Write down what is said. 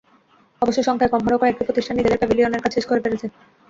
অবশ্য সংখ্যায় কম হলেও কয়েকটি প্রতিষ্ঠান নিজেদের প্যাভিলিয়নের কাজ শেষ করে ফেলেছে।